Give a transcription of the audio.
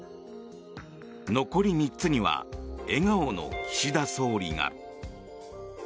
残り３つには笑顔の岸田総理が。